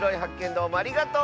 どうもありがとう！